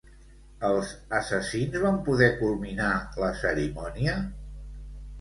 Els assassins van poder culminar la cerimònia?